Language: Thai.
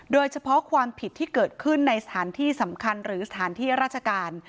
โดยเฉพาะความผิดที่เกิดขึ้นในสถานที่สำคัญหรือสถานที่ราชการ